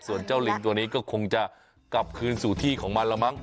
ส่วนเจ้าลิงตัวนี้ก็คงจะกลับคืนสู่ที่ของมันแล้วมั้ง